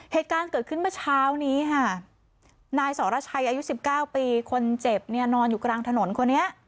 เหตุการณ์เกิดขึ้นเมื่อเช้านี้ค่ะนายสรชัยอายุ๑๙ปีคนเจ็บเนี่ยนอนอยู่กลางถนนคนนี้